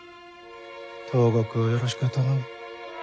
東国をよろしく頼む。